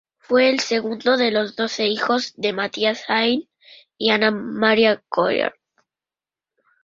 Fue el segundo de los doce hijos de Mathias Haydn y Anna Maria Koller.